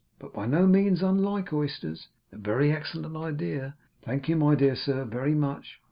But by no means unlike oysters; a very excellent idea; thank you, my dear sir, very much.